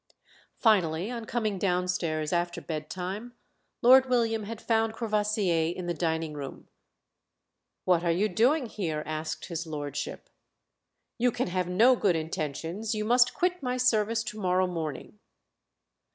Finally, on coming downstairs after bed time, Lord William had found Courvoisier in the dining room. "What are you doing here?" asked his lordship. "You can have no good intentions; you must quit my service to morrow morning."